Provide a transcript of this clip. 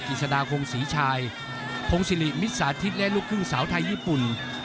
กิจสดาคงศรีชายพงศิริมิตสาธิตและลูกครึ่งสาวไทยญี่ปุ่น